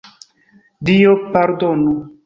Dio pardonu!